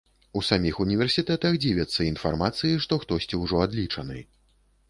У саміх універсітэтах дзівяцца інфармацыі, што хтосьці ўжо адлічаны.